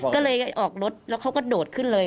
ก็เลยออกรถแล้วเขาก็โดดขึ้นเลย